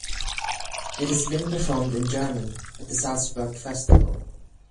It has been performed in German at the Salzburg Festival.